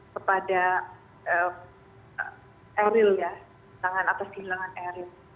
kepada eril ya tangan atas di hilangan eril